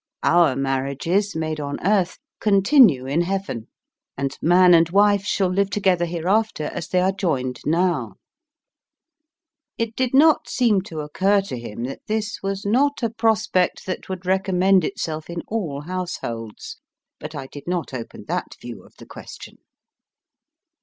Our marriages, made on earth, continue in heaven, and man Digitized by VjOOQIC 112 EAST BY WEST. and wife shall live together hereafter as they are joined now." It did not seem to occur to him that this was not a prospect that would recommend itself in all households; but I did not open that view of the question.